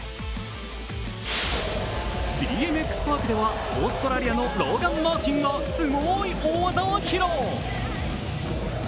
ＢＭＸパークでは、オーストラリアのローガン・マーティンがすごーい大技を披露。